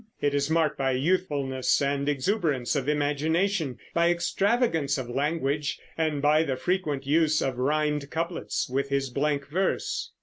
It is marked by youthfulness and exuberance of imagination, by extravagance of language, and by the frequent use of rimed couplets with his blank verse.